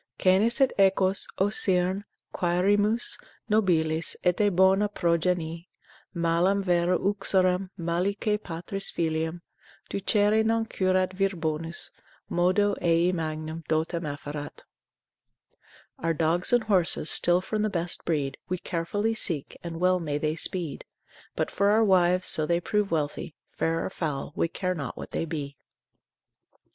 Canes et equos (o Cyrne) quaerimus Nobiles, et a bona progenie; Malam vero uxorem, malique patris filiam Ducere non curat vir bonus, Modo ei magnam dotem afferat, Our dogs and horses still from the best breed We carefully seek, and well may they speed: But for our wives, so they prove wealthy, Fair or foul, we care not what they be.